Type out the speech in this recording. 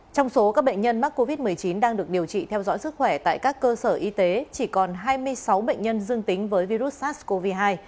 trong số các bệnh nhân mắc covid một mươi chín đang được điều trị theo dõi sức khỏe tại các cơ sở y tế chỉ còn hai mươi sáu bệnh nhân dương tính với virus sars cov hai